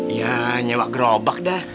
ya nyewa gerobak dah